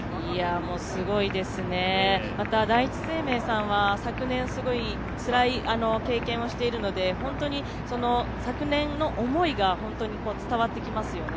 すごいですね、また第一生命さんは昨年すごいつらい経験をしているのでホントに昨年の思いが伝わってきますよね。